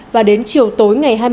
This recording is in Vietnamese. và đến chiều tối ngày hai mươi bảy